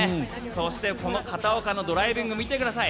そしてこの片岡のドライビング見てください。